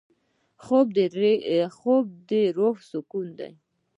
خوب د روح سکون دی